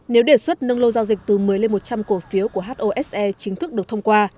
nếu đề xuất nâng lô giao dịch từ một mươi lên một trăm linh cổ phiếu của hose chính thức được thông qua